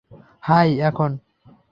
High, এখন?